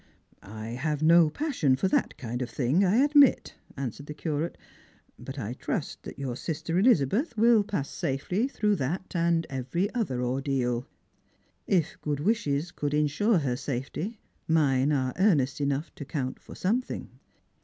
" I have no passion for that kind of thing, I admit," answered the Curate. " But I trust that your sister Elizabeth wiU pass safely through that and every other ordeal. If good wishes could insure her safety, mine are earnest enough to count for something."